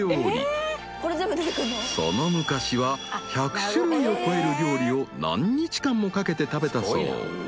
［その昔は１００種類を超える料理を何日間もかけて食べたそう］